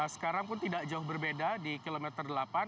sekarang pun tidak jauh berbeda di kilometer delapan